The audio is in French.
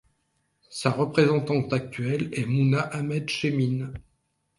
Sa représentante actuelle est Muna Ahmed Semid.